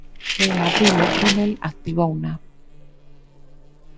E abrir o túnel activouna.